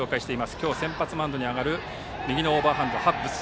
今日、先発マウンドに上がる右のオーバーハンド、ハッブス。